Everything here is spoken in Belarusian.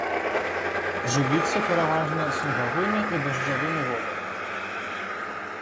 Жывіцца пераважна снегавымі і дажджавымі водамі.